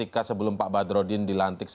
dalam hal ini